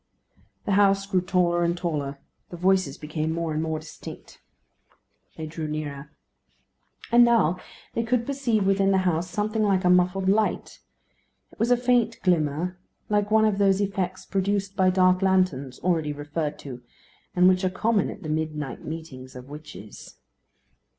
The house grew taller and taller. The voices became more and more distinct. They drew nearer. And now they could perceive within the house something like a muffled light. It was a faint glimmer, like one of those effects produced by dark lanterns, already referred to, and which are common at the midnight meetings of witches.